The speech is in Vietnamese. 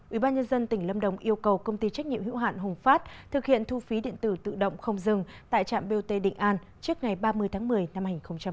ubnd tỉnh lâm đồng yêu cầu công ty trách nhiệm hữu hạn hùng phát thực hiện thu phí điện tử tự động không dừng tại trạm bot định an trước ngày ba mươi tháng một mươi năm hai nghìn hai mươi